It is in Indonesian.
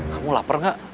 kamu lapar nggak